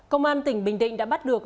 công an tỉnh bình định đã bắt được